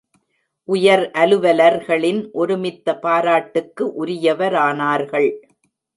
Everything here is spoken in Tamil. உயர் அலுவலர்களின் ஒருமித்த பாராட்டுக்கு உரியவரானார்கள்.